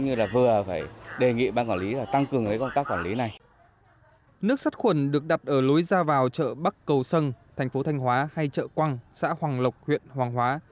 nước sát khuẩn được đặt ở lối ra vào chợ bắc cầu sân thành phố thanh hóa hay chợ quang xã hoàng lộc huyện hoàng hóa